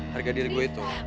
harga diri gue itu